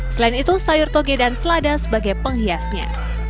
selain itu sayur toge dan selada sebagai penghiasnya